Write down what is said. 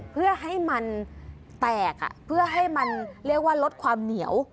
เพื่อให้มันแตกเพื่อให้มันเรียกว่าลดความเหนียว